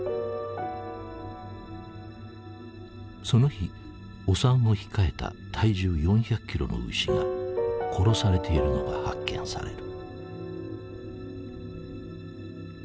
その日お産を控えた体重４００キロの牛が殺されているのが発見される。